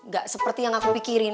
gak seperti yang aku pikirin